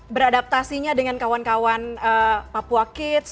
beradaptasinya dengan kawan kawan papua kids